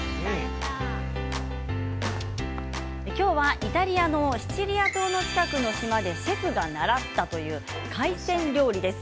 今日はイタリアのシチリア島の近くの島でシェフが習ったという海鮮料理です。